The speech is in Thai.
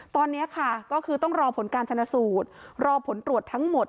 ตอนนี้ค่ะก็คือต้องรอผลการชนะสูตรรอผลตรวจทั้งหมด